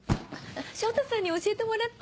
翔太さんに教えてもらった。